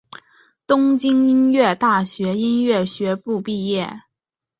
东京音乐大学音乐学部毕业。